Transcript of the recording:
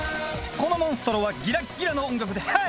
このモンストロはギラッギラの音楽でヘイ！